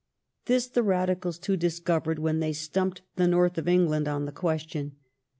This the Radicals too disoovered when they stumped the North of England on the question.